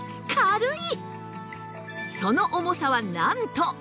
その重さはなんと